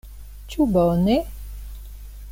Ĉu bone?